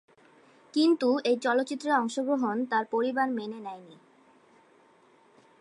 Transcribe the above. কিন্তু এই চলচ্চিত্রে অংশগ্রহণ তার পরিবার মেনে নেয়নি।